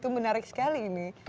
menarik sekali ini